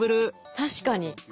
確かに。